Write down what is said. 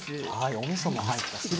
おみそも入って。